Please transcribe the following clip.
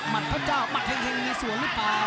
มัดพระเจ้ามัดแข็งมีสวนหรือเปล่า